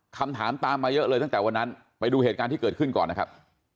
คำถามตามมาเยอะเลยตั้งแต่วันนั้นไปดูเหตุการณ์ที่เกิดขึ้นก่อนนะครับ